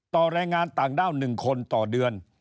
แรงงานต่างด้าว๑คนต่อเดือน